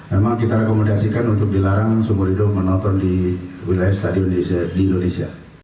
memang kita rekomendasikan untuk dilarang seumur hidup menonton di wilayah stadion di indonesia